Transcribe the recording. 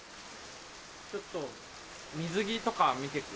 ちょっと水着とか見てく？